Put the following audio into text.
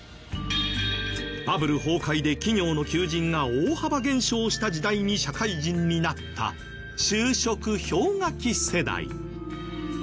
バブル崩壊で企業の求人が大幅減少した時代に社会人になった就職氷河期世代。